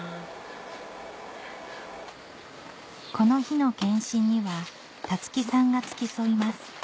この日の健診には樹さんが付き添います